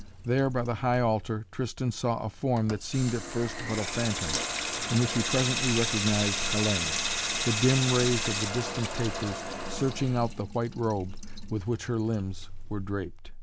There, by the high altar, Tristan saw a form that seemed at first but a phantom, in which he presently recognized Hellayne, the dim rays of the distant tapers searching out the white robe with which her limbs were draped.